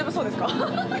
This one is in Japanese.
アハハハ！